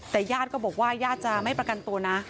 แต่ญาติก็บอกว่าญาติจะไม่ประกันตัวนะ